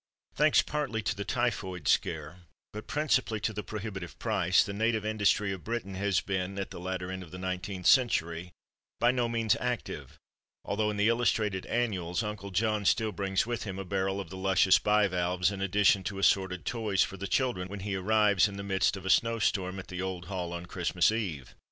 Thanks partly to the "typhoid scare," but principally to the prohibitive price, the "native" industry of Britain has been, at the latter end of the nineteenth century, by no means active, although in the illustrated annuals Uncle John still brings with him a barrel of the luscious bivalves, in addition to assorted toys for the children, when he arrives in the midst of a snow storm at the old hall on Christmas Eve.